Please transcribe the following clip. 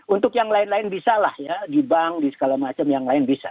untuk yang lain lain bisa lah ya di bank di segala macam yang lain bisa